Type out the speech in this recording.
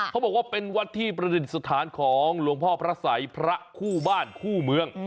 เขาบอกว่าเป็นวัดที่ประดิษฐานของหลวงพ่อพระสัยพระคู่บ้านคู่เมือง